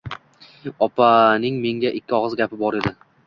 Opaning menga ikki og‘iz gapi bor edi.